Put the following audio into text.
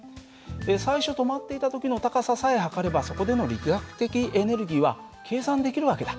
最初止まっていた時の高ささえ測ればそこでの力学的エネルギーは計算できる訳だ。